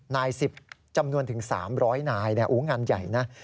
นาย๑๐จำนวนถึง๓๐๐นายงานใหญ่นะ